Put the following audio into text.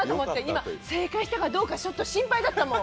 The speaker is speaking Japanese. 今、正解したかどうか、ちょっと心配だったもん。